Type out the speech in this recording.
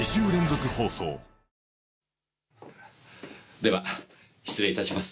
では失礼いたします。